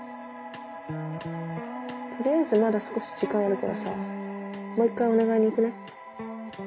取りあえずまだ少し時間あるからさもう一回お願いに行くね。